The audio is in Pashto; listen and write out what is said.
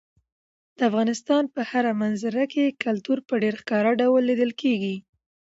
د افغانستان په هره منظره کې کلتور په ډېر ښکاره ډول لیدل کېږي.